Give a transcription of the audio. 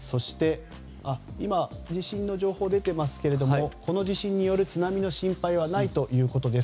今、地震の速報が出ていますがこの地震による津波の心配はないということです。